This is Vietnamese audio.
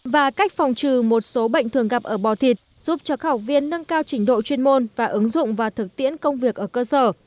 và cách phòng trừ một số bệnh thường gặp ở bò thịt giúp cho các học viên nâng cao trình độ chuyên môn và ứng dụng và thực tiễn công việc ở cơ sở